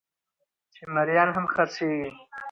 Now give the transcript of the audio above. چې مريان هم خرڅېږي